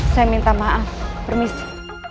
saya minta maaf permisi